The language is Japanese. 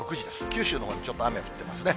九州のほう、ちょっと雨降ってますね。